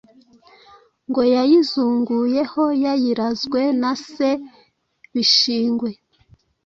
ngo yayizunguyeho yayirazwen na se Bishingwe